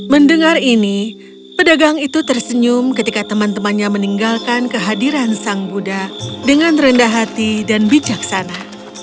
mendengar ini pedagang itu tersenyum ketika teman temannya meninggalkan kehadiran sang buddha dengan rendah hati dan bijaksana